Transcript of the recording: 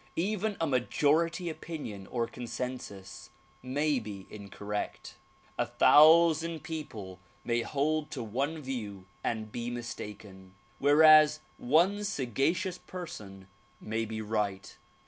Even a majority opinion or consensus may be incorrect. A thousand people may hold to one view and be mistaken whereas one sagacious person may be right.